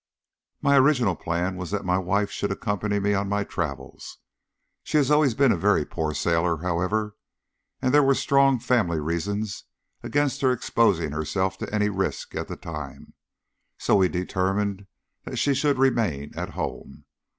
My original plan was that my wife should accompany me on my travels. She has always been a very poor sailor, however, and there were strong family reasons against her exposing herself to any risk at the time, so we determined that she should remain at home.